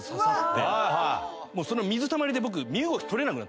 もうその水たまりで僕。